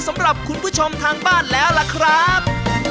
สำหรับคุณผู้ชมทางบ้านแล้วล่ะครับ